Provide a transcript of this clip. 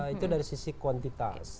itu dari sisi kuantitas